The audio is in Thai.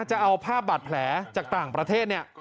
จะเอาภาพบาดแผลจากต่างประเทศเนี่ย